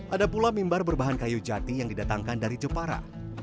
ada pula mimbar berbahan kayu jati yang didatangkan dari jepara